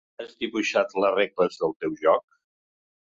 Has dibuixat les regles del teu joc?